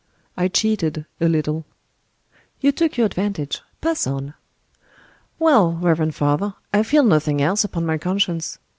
"I cheated a little." "You took your advantage. Pass on." "Well! reverend father, I feel nothing else upon my conscience.